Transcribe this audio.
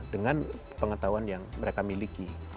dengan pengetahuan yang mereka miliki